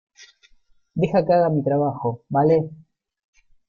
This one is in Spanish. deja que haga mi trabajo, ¿ vale?